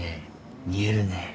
見えるね。